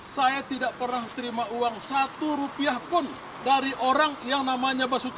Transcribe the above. saya tidak pernah menerima uang satu rupiah pun dari orang yang saya jadikan tersangka